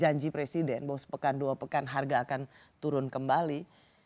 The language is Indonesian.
janji presiden bahwa sepekan dua pekan harga akan turun kembali